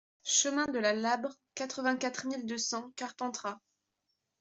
Chemin de Saint-Labre, quatre-vingt-quatre mille deux cents Carpentras